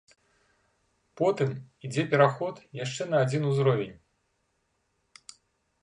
Потым ідзе пераход яшчэ на адзін узровень.